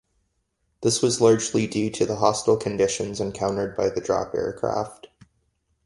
This was largely due to the hostile conditions encountered by the drop aircraft.